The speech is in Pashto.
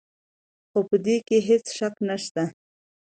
خو په دې کې هېڅ شک نشته.